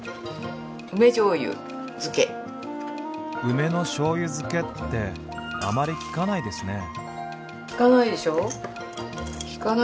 梅のしょうゆ漬けってあまり聞かないですね。